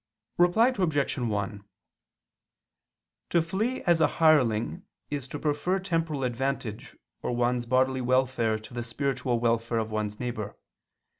Reply Obj. 1: To flee as a hireling is to prefer temporal advantage or one's bodily welfare to the spiritual welfare of one's neighbor.